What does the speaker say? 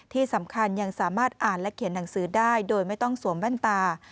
ที่สำคัญยังสามารถอ่านและเขียนหนังสือได้โดยไม่ต้องสวมแว่นตา